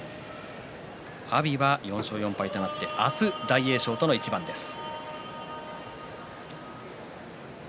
阿炎は４勝４敗明日は大栄翔との一番です。